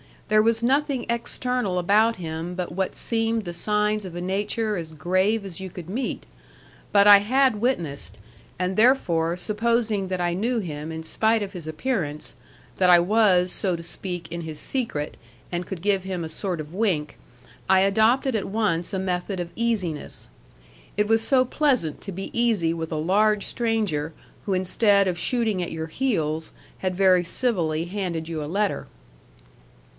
There was nothing external about him but what seemed the signs of a nature as grave as you could meet. But I had witnessed; and therefore supposing that I knew him in spite of his appearance, that I was, so to speak, in his secret and could give him a sort of wink, I adopted at once a method of easiness. It was so pleasant to be easy with a large stranger, who instead of shooting at your heels had very civilly handed you a letter.